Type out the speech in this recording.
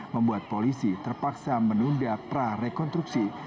membuat polisi terpaksa menunda prarekonstruksi